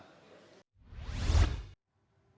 partai politik yang berdasarkan sop yang kami terbitkan